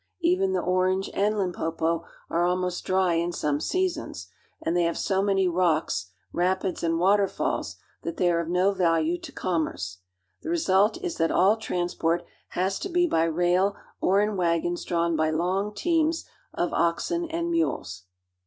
Even the Orange and Limpopo are almost dry in some seasons; and they have so many rocks, rapids, and waterfalls that they are of no value to commerce. The result is that all transport has to be by rail or in wagons drawn by long teams of oxen and mules.